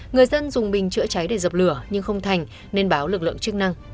người dân dùng bình chữa cháy để dập lửa nhưng không thành nên báo lực lượng chức năng